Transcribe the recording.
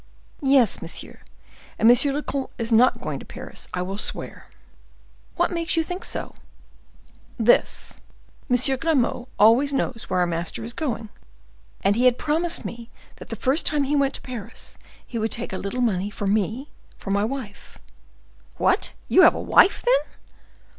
"Yes, monsieur: and monsieur le comte is not going to Paris, I will swear." "What makes you think so?" "This,—M. Grimaud always knows where our master is going; and he had promised me that the first time he went to Paris, he would take a little money for me to my wife." "What, have you a wife, then?"